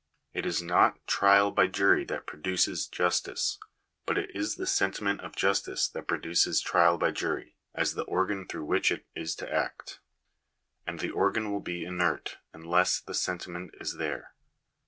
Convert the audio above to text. It is not trial by jury that produces justice, but it is the sentiment of justice that pro duces trial by jury, as the organ through which it is to act; and the organ will be inert unless the sentiment is there.